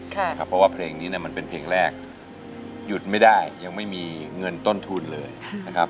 เพราะว่าเพลงนี้มันเป็นเพลงแรกหยุดไม่ได้ยังไม่มีเงินต้นทุนเลยนะครับ